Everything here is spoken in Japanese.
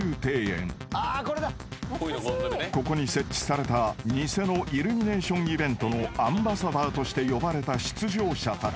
［ここに設置された偽のイルミネーションイベントのアンバサダーとして呼ばれた出場者たち］